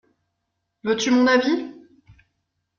Veux-tu mon avis ?…